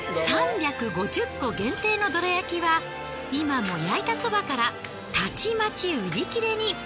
３５０個限定のどら焼きは今も焼いたそばからたちまち売り切れに。